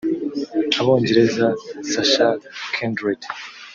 Abongereza Sascha Kindred